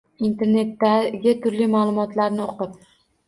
Internetdagi turli ma’lumotlarni o‘qib